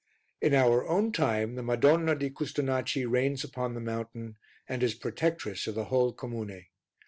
In our own time the Madonna di Custonaci reigns upon the Mountain, and is Protectress of the whole comune.